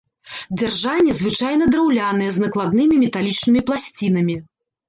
Дзяржанне звычайна драўлянае з накладнымі металічнымі пласцінамі.